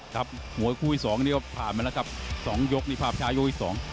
มวยคู่ที่สองนี่ก็ผ่านมาแล้วครับสองยกนี่ภาพช้ายกอีกสอง